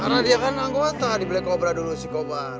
karena dia kan anggota di black cobra dulu si cobra